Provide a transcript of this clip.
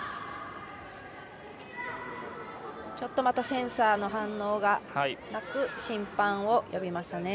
またセンサーの反応がなく審判を呼びました。